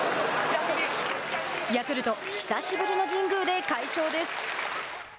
ヤクルト久しぶりの神宮で快勝です。